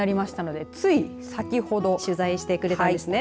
つい先ほど取材してくれたんですね。